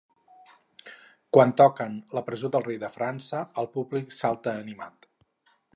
Quan toquen La presó del rei de França el públic salta animat.